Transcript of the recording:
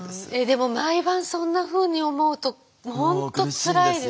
でも毎晩そんなふうに思うと本当つらいですよね。